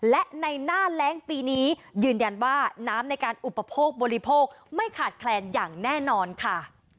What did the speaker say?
และในหน้าแรงปีนี้ยืนยันว่าน้ำในการอุปโภคบริโภคไม่ขาดแคลนอย่างแน่นอนค่ะ